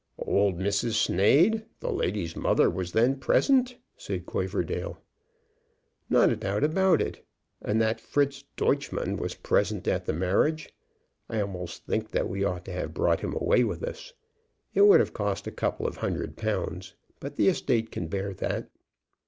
"Old Mrs. Sneyd, the lady's mother, was then present?" said Quaverdale. "Not a doubt about it, and that Fritz Deutchmann was present at the marriage. I almost think that we ought to have brought him away with us. It would have cost a couple of hundred pounds, but the estate can bear that.